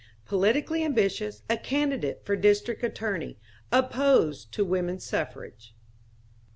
Politically ambitious, a candidate for District Attorney. Opposed to woman suffrage.